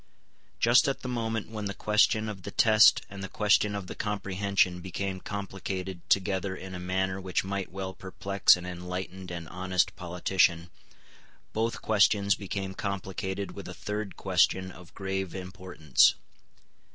Just at the moment when the question of the Test and the question of the Comprehension became complicated together in a manner which might well perplex an enlightened and honest politician, both questions became complicated with a third question of grave importance.